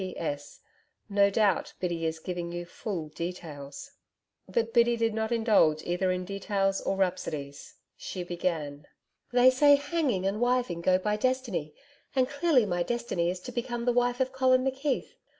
P.S. No doubt, Biddy is giving you full details.' But Biddy did not indulge either in details or rhapsodies. She began: 'They say hanging and wiving go by destiny, and clearly my destiny is to become the wife of Collin McKeith.